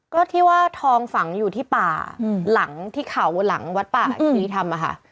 ก็ที่ว่าทองฝังอยู่ที่ป่าหลังที่เขาหลังวัดป่าครีธรรมอะค่ะ